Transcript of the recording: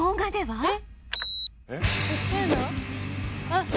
えっ？